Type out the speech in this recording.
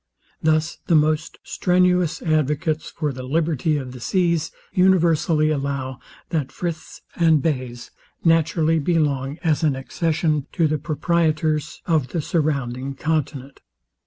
Thus the most strenuous advocates for the liberty of the seas universally allow, that friths and hays naturally belong as an accession to the proprietors of the surrounding continent.